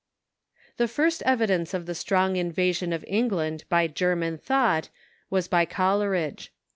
The first evidence of the strong invasion of England b}^ German thought was by Coleridge.